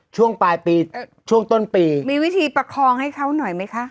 ช่วงปลายปีช่วงต้นปีมีวิธีประคองให้เขาหน่อยไหมคะ